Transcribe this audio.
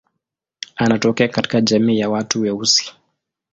Anatokea katika jamii ya watu weusi.